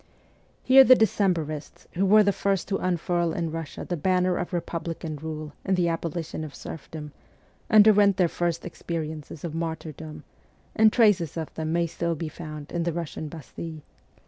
Here the Decembrists, who were the first to unfurl in Russia the banner of republican rule and the abo lition of serfdom, underwent their first experiences of martyrdom, and traces of them may still be found in the Russian Bastille.